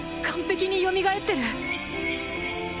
完璧によみがえってる。